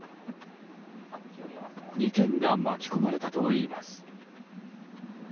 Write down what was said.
２軒が巻き込まれたといいます。